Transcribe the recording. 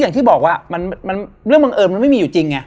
อย่างที่บอกว่าเรื่องบังเอิญมันไม่มีอยู่จริงไง